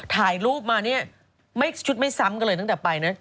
ถ่ายรูปมาเนี่ยไม่ชุดไม่ซ้ำกันเลยตั้งแต่ไปนะ